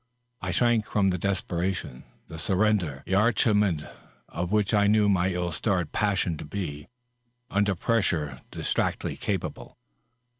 I shrank from the desperation, the surrender, the axihamement of which I knew my ill starred passion to be, under pressure, distractedly capable.